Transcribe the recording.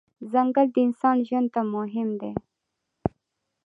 ځنګل د انسان ژوند ته مهم دی.